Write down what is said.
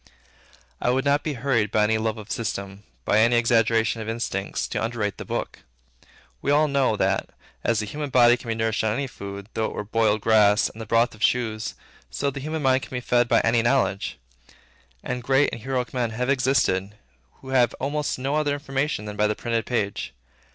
I would not be hurried by any love of system, by any exaggeration of instincts, to underrate the Book. We all know, that, as the human body can be nourished on any food, though it were boiled grass and the broth of shoes, so the human mind can be fed by any knowledge. And great and heroic men have existed, who had almost no other information than by the printed page.